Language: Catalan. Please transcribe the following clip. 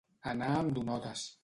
Anar amb donotes.